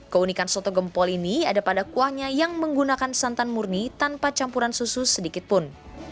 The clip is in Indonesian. keunikan soto gempol ini ada pada kuahnya yang menggunakan santan murni tanpa campuran susu sedikit pun